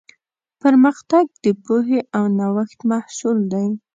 پرمختګ د پوهې او نوښت محصول دی.